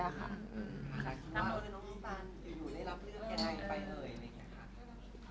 ค่ะคือว่าอยู่อยู่ได้รับเรื่องไหนไปเลย